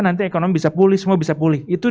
nanti ekonomi bisa pulih semua bisa pulih itu